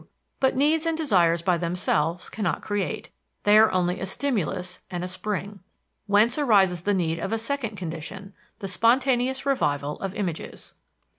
But needs and desires by themselves cannot create they are only a stimulus and a spring. Whence arises the need of a second condition the spontaneous revival of images.